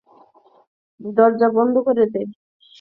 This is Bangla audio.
দরজা বন্ধ করে দে!